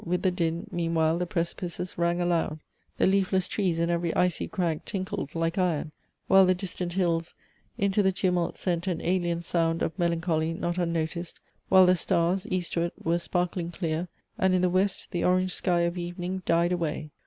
with the din Meanwhile the precipices rang aloud; The leafless trees and every icy crag Tinkled like iron; while the distant hills Into the tumult sent an alien sound Of melancholy, not unnoticed, while the stars, Eastward, were sparkling clear, and in the west The orange sky of evening died away."